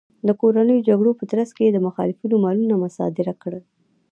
د کورنیو جګړو په ترڅ کې یې د مخالفینو مالونه مصادره کړل